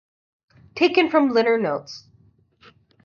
Taken from liner notes.